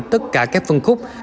tất cả các phân khúc